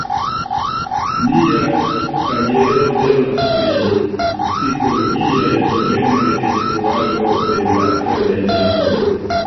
Lia kajero temas pri psikologiaj problemoj de instruado de la fremdaj lingvoj.